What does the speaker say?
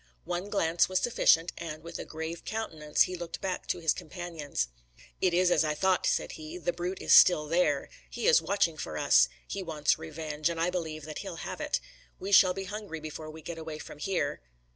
One glance was sufficient, and, with a grave countenance, he looked back to his companions. "It is as I thought," said he, "the brute is still there. He is watching for us. He wants revenge; and I believe that he'll have it. We shall be hungry before we get away from here."